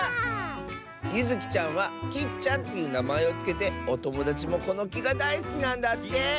ゆずきちゃんは「きっちゃん」っていうなまえをつけておともだちもこのきがだいすきなんだって！